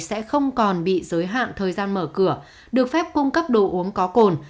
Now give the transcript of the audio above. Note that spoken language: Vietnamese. sẽ không còn bị giới hạn thời gian mở cửa được phép cung cấp đồ uống có cồn